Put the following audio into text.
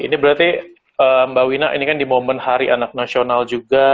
ini berarti mbak wina ini kan di momen hari anak nasional juga